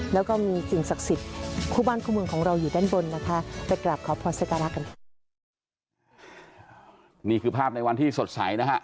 นี่คือภาพในวันที่สดใสนะฮะ